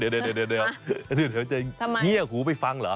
เดี๋ยวเดี๋ยวเดี๋ยวเดี๋ยวเดี๋ยวเดี๋ยวจะเงี้ยหูไปฟังเหรอ